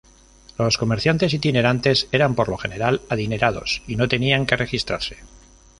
Los comerciantes itinerantes eran, por lo general, adinerados y no tenían que registrarse.